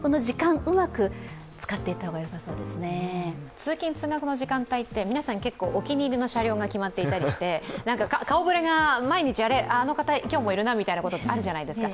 通勤・通学の時間帯って皆さん、結構お気に入りの車両が決まっていたりして顔ぶれが毎日、あの方、今日もいるなみたいなのがあるじゃないですか。